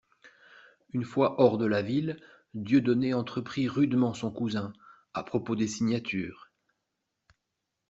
Une fois hors la ville, Dieudonné entreprit rudement son cousin, à propos des signatures.